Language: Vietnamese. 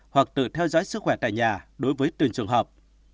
hoặc tự theo dõi sức khỏe tại nhà đối với từng trường hợp